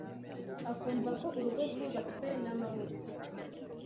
akumva ko urugo rwubatswe n amaboko